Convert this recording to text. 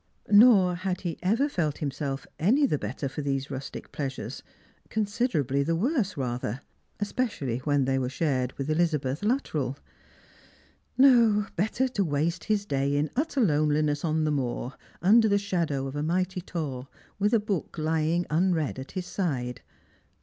Nor had he ever felt himself any the better for these rustic pleasures ; considerably the worse rather, especially when they were shared with Elizabeth Luttrell. No; better to waste his day in utter loneliness on the moor, under the shadow of a mighty tor, with a book lying unread at his side.